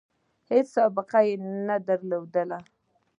هیڅ سابقه نه وي درلودلې.